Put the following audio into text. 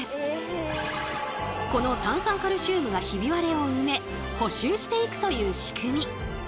この炭酸カルシウムがヒビ割れを埋め補修していくという仕組み。